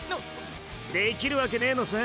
できるわけねえのさ。